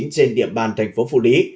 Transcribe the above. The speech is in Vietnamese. trên địa bàn tp phủ lý